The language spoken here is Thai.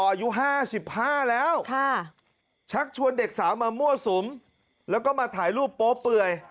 อายุ๕๕แล้วชักชวนเด็กสาวมามั่วสุมแล้วก็มาถ่ายรูปโป๊เปื่อย